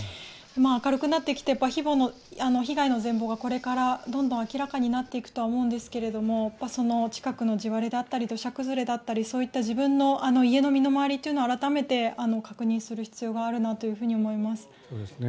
明るくなってきて被害の全ぼうがこれからどんどん明らかになっていくとは思うんですがその近くの地割れであったり土砂崩れであったりそういった自分の家の身の周りを改めて確認する必要があるなと思います。